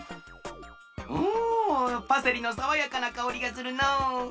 うんパセリのさわやかなかおりがするのう。